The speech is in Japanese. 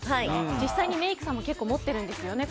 実際にメイクさんも結構持ってるんですよね。